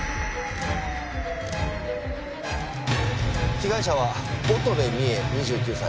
被害者は乙部美栄２９歳。